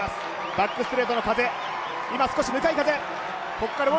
バックストレートの風、今少し向かい風。